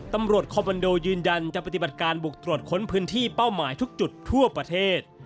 ตำรวจคอมมันโดยืนยันจะปฏิบัติการบุกตรวจค้นพื้นที่เป้าหมายทุกจุดทั่วประเทศ